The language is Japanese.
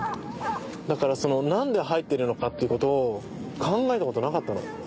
だからその何で入ってるのかなっていうことを考えたことなかったの。